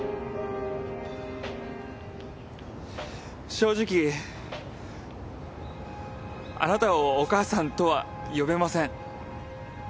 正直あなたをお母さんとは呼べません。